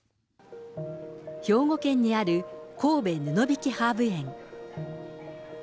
兵庫県にある神戸布引ハーブ園。